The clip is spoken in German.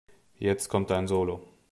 Jetzt kommt dein Solo.